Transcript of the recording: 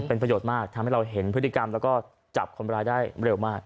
เป็นประโยชน์มากทำให้เราเห็นพฤติกรรมแล้วก็จับคนร้ายได้เร็วมาก